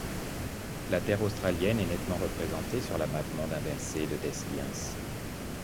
La terre australienne est nettement représentée sur la mappemonde inversée de Desliens.